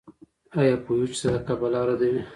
ایا پوهیږئ چې صدقه بلا ردوي؟